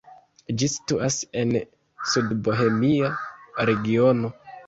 Ĝi situas en Sudbohemia regiono.